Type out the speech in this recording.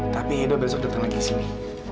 tapi yaudah besok datang lagi sini